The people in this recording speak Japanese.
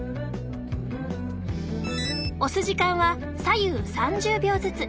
押す時間は左右３０秒ずつ。